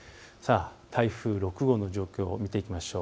台風６号の状況を見ていきましょう。